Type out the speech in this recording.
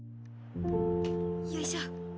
よいしょ。